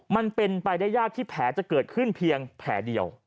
มันเป็นไปได้ยากที่แผลจะเกิดขึ้นเพียงแผลเดียว